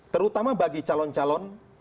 terutama bagi calon calon